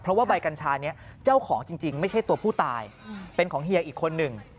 เพราะว่าใบกัญชานี้เจ้าของจริงไม่ใช่ตัวผู้ตายเป็นของเฮียอีกคนหนึ่ง